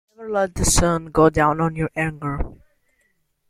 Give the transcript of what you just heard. Never let the sun go down on your anger.